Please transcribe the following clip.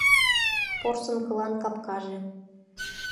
Порсын кылан капкаже